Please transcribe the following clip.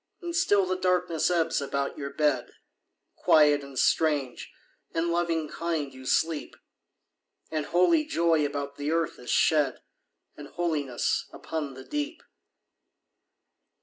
And still the darkness ebbs about your bed. Quiet, and strange, and loving kind, you sleep. And holy joy about the earth is shed; And holiness upon the deep.